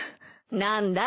何だ？